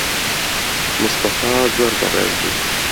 موستەفا زۆر بەڕێز بوو.